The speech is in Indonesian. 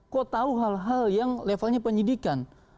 kok tahu hal hal yang levelnya penyidikan